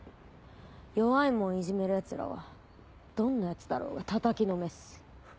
弱い者いじめるヤツらはどんなヤツだろうがたたきのめす。